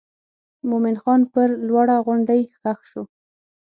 مومن خان پر لوړه غونډۍ ښخ شو.